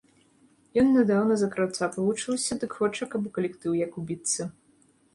Ён нядаўна за краўца павучыўся, дык хоча, каб у калектыў як убіцца.